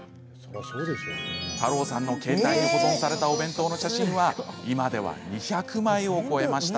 太朗さんの携帯に保存されたお弁当の写真は、今では２００枚を超えました。